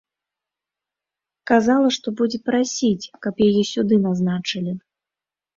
Казала, што будзе прасіць, каб яе сюды назначылі.